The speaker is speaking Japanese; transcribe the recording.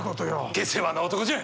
下世話な男じゃ。